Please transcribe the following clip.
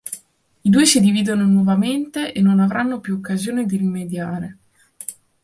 I due si dividono nuovamente e non avranno più occasione di rimediare.